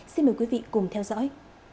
xin mời quý vị cùng theo dõi